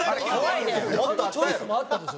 もっとチョイスもあったでしょ。